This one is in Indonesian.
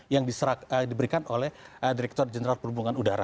yang diberikan oleh direktur jenderal perhubungan udara